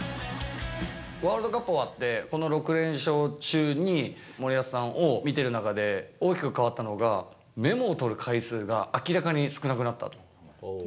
ワールドカップ終わって、この６連勝中に、森保さんを見ている中で、大きく変わったのがメモを取る回数が明らかに少なくなったと。